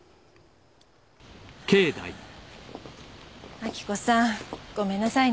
明子さんごめんなさいね。